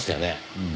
うん。